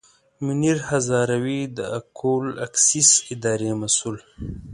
منیر هزاروي د اکول اکسیس اداري مسوول.